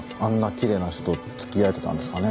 きれいな人と付き合えてたんですかね？